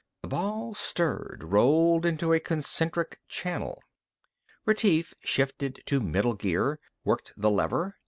The ball stirred, rolled into a concentric channel. Retief shifted to middle gear, worked the lever.